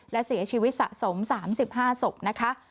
และเสียชีวิตสะสม๓๕ศพนะคะ